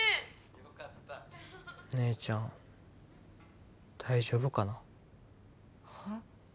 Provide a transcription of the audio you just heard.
よかった姉ちゃん大丈夫かなはあ？